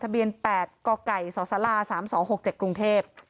ทะเบียนแปดกกสศรสามสองหกเจ็ดกรุงเทพ